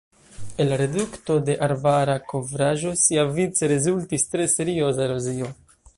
El la redukto de arbara kovraĵo siavice rezultis tre serioza erozio.